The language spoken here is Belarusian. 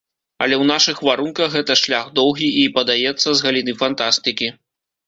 Але ў нашых варунках гэта шлях доўгі, і, падаецца, з галіны фантастыкі.